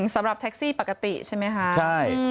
สำหรับแท็กซี่ปกติใช่ไหมคะใช่